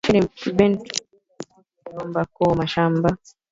Rudisheni bintu bile muri lomba ku mashamba